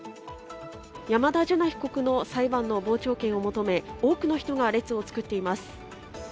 山田樹奈被告の裁判の傍聴券を求め、多くの人が列を作っています。